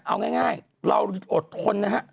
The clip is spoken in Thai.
เอาง่ายเราอดทนนะฮะ